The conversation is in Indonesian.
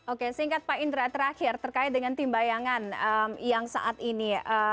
oke singkat pak indra terakhir terkait dengan tim bayangan yang saat ini